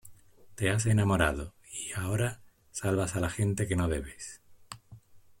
te has enamorado y, ahora , salvas a la gente que no debes.